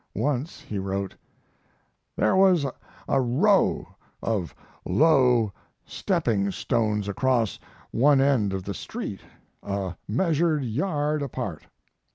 Once he wrote: There was a row of low stepping stones across one end of the street, a measured yard apart.